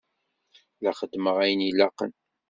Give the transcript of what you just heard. La xeddmeɣ ayen ilaqen.